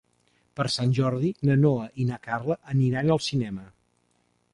Per Sant Jordi na Noa i na Carla aniran al cinema.